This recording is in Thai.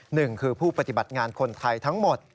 หนึ่งคือผู้ปฏิบัติงานคนไทยทั้งหมด